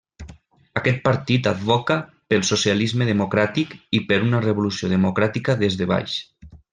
Aquest partit advoca pel socialisme democràtic i per una revolució democràtica des de baix.